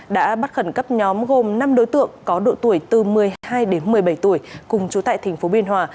đã bắt khẩn cấp nhóm gồm năm đối tượng có độ tuổi từ một mươi hai đến một mươi bảy tuổi cùng chú tại tp biên hòa